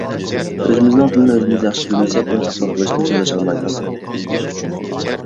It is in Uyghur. ئۆزىمىزنىڭ تىلىنى ئۆزىمىز ياخشى بىلمىسەك، ئۇنى ساقلاپ قېلىشتىن سۆز ئاچالمايمىز.